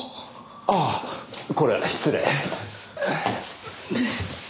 ああこれは失礼。